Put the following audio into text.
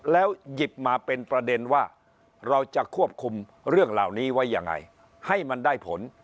แล้วหยิบมาเป็นประเด็นว่าเราจะควบคุมเรื่องเหล่านี้ไว้ยังไงให้มันได้ผล